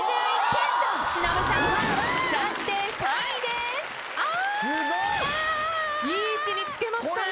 すごい！いい位置につけましたね。